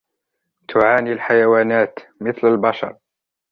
تعاني الحيوانات مثل البشر.